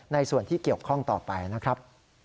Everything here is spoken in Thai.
ในส่วนที่เกี่ยวข้องต่อไปนะครับ